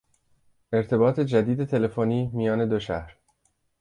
ارتباط جدید تلفنی میان دو شهر